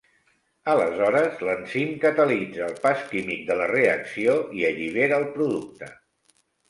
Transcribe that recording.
Aleshores, l'enzim catalitza el pas químic de la reacció i allibera el producte.